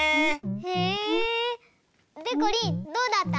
へえ！でこりんどうだった？